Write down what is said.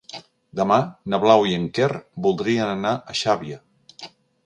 Demà na Blau i en Quer voldrien anar a Xàbia.